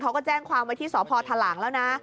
เขาก็แจ้งความว่าที่สธลแล้วนะ